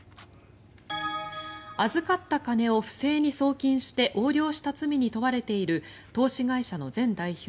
預かった金を不正に送金して横領した罪に問われている投資会社の前代表